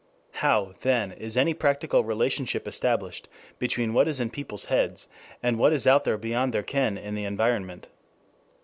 How, then, is any practical relationship established between what is in people's heads and what is out there beyond their ken in the environment?